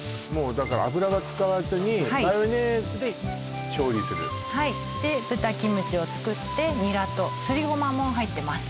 だから油は使わずにマヨネーズで調理するはいで豚キムチを作ってニラとすりゴマも入ってます